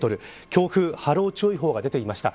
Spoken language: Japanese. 強風波浪注意報が出ていました。